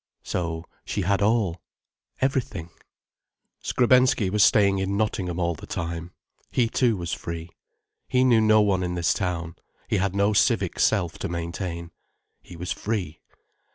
So, she had all, everything. Skrebensky was staying in Nottingham all the time. He too was free. He knew no one in this town, he had no civic self to maintain. He was free.